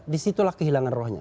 di situlah kehilangan rohnya